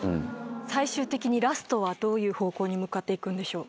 最終的にラストはどういう方向に向かっていくんでしょう？